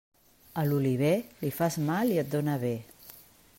A l'oliver, li fas mal i et dóna bé.